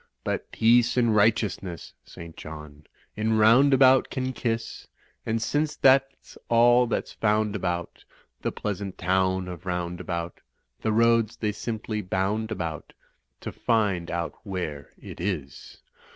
But peace and righteousness (St. John) In Roundabout can kiss. And since that's all that's found about The pleasant town of Roundabout, The roads they simply botmd about To find out where it is.